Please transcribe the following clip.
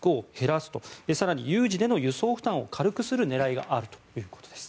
そして、更に有事での輸送負担を軽くする狙いがあるということです。